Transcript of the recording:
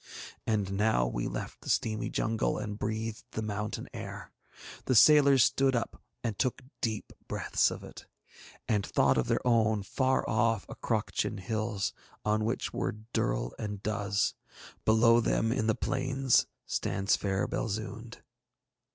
And now we left the steamy jungle and breathed the mountain air; the sailors stood up and took deep breaths of it, and thought of their own far off Acroctian hills on which were Durl and Duz below them in the plains stands fair Belzoond.